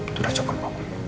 itu udah cukup